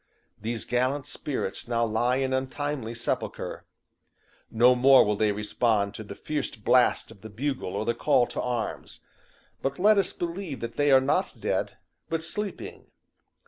These gallant spirits now lie in untimely sepulcher. No more will they respond to the fierce blast of the bugle or the call to arms. But let us believe that they are not dead, but sleeping!